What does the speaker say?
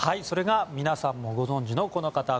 それが皆さんもご存じのこの方。